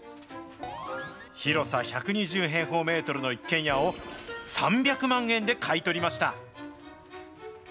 広さ１２０平方メートルの一軒家を、３００万円で買い取りました。